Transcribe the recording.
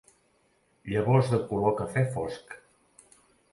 Llavors de color cafè fosc.